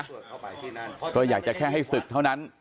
ก็อยากจะแค่ให้ศึกเท่านั้น